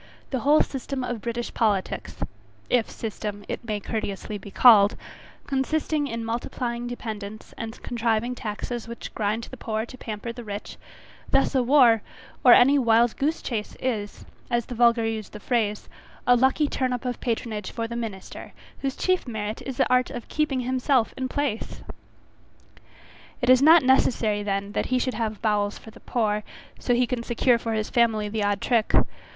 The whole system of British politics, if system it may courteously be called, consisting in multiplying dependents and contriving taxes which grind the poor to pamper the rich; thus a war, or any wild goose chace is, as the vulgar use the phrase, a lucky turn up of patronage for the minister, whose chief merit is the art of keeping himself in place. It is not necessary then that he should have bowels for the poor, so he can secure for his family the odd trick.